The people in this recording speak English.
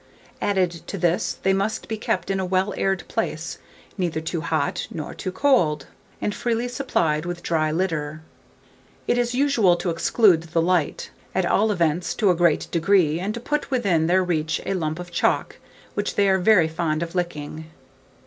Added to this, they must be kept in a well aired place, neither too hot nor too cold, and freely supplied with dry litter. It is usual to exclude the light, at all events to a great degree, and to put within their reach a lump of chalk, which they are very fond of licking.